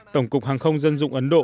tổng cục hàng không dân dụng ấn độ